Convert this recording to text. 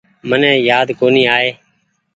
من يآد ڪونيٚ آئي۔